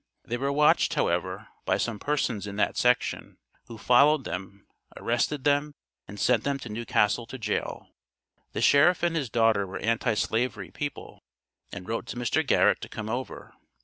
They were watched, however, by some persons in that section, who followed them, arrested them, and sent them to New Castle to jail. The sheriff and his daughter were Anti slavery people, and wrote to Mr. Garrett to come over.